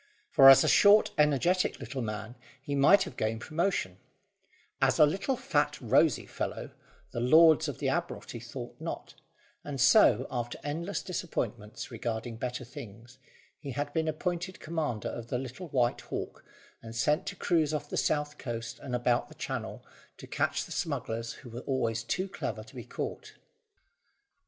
For as a short energetic little man he might have gained promotion; as a little fat rosy fellow the Lords of the Admiralty thought not; and so, after endless disappointments regarding better things, he had been appointed commander of the little White Hawk, and sent to cruise off the south coast and about the Channel, to catch the smugglers who were always too clever to be caught.